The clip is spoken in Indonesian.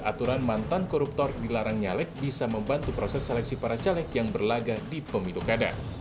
aturan mantan koruptor dilarang nyalek bisa membantu proses seleksi para caleg yang berlaga di pemilu kada